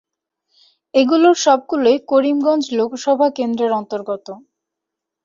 এগুলোর সবগুলোই করিমগঞ্জ লোকসভা কেন্দ্রের অন্তর্গত।